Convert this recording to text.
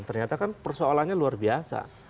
ternyata kan persoalannya luar biasa